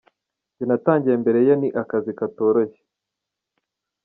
Njye natangiye mbere ye ni akazi katoroshye.